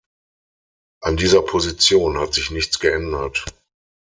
An dieser Position hat sich nichts geändert.